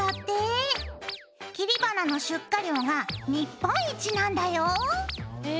切り花の出荷量が日本一なんだよ！へ！